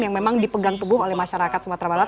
yang memang dipegang teguh oleh masyarakat sumatera barat